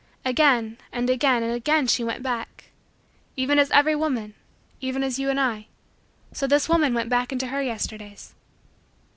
Again and again and again she went back. Even as every woman, even as you and I, so this woman went back into her Yesterdays.